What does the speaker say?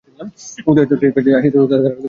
উদয়াদিত্য কাছে আসিতেই তাঁহার পা দুটি জড়াইয়া ধরিল।